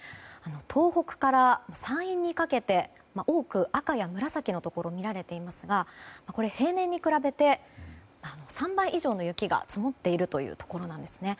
東北から山陰にかけて多く赤や紫のところが見られていますが平年に比べて３倍以上の雪が積もっているところなんですね。